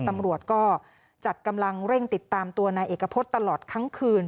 ตำรวจก็จัดกำลังเร่งติดตามตัวนายเอกพฤษตลอดทั้งคืน